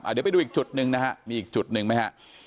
เดี๋ยวไปดูอีกจุดหนึ่งนะฮะมีอีกจุดหนึ่งไหมฮะ